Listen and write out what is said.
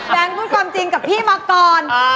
พูดความจริงกับพี่มาก่อน